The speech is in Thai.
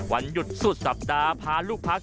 วันหยุดสุดสัปดาห์พาลูกพัก